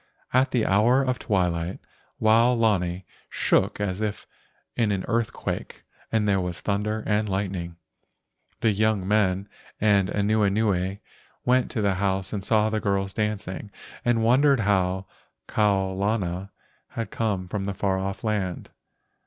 At the hour of twilight Wao lani shook as if in an earthquake, and there was thunder and lightning. The young men and Anuenue went to the house and saw the girls dancing, and wondered how Kau lana had come from the far off land.